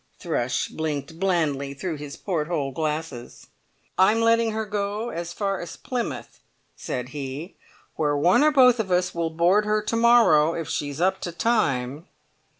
Thrush blinked blandly through his port hole glasses. "I'm letting her go as far as Plymouth," said he, "where one or both of us will board her tomorrow if she's up to time!"